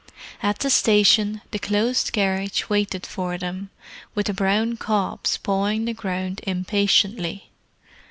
At the station the closed carriage waited for them, with the brown cobs pawing the ground impatiently.